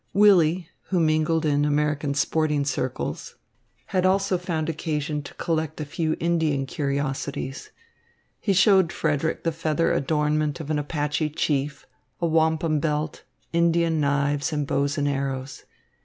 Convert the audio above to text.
Willy, who mingled in American sporting circles, had also found occasion to collect a few Indian curiosities. He showed Frederick the feather adornment of an Apache chief, a wampum belt, Indian knives and bows and arrows.